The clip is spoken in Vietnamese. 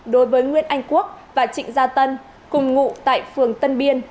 đối với nguyễn anh quốc và trịnh gia tân cùng ngụ tại phường tân biên